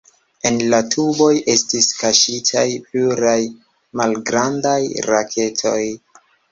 En la tuboj estis kaŝitaj pluraj malgrandaj raketoj.